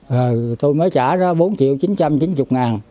rồi tôi mới trả ra bốn triệu chín trăm chín mươi ngàn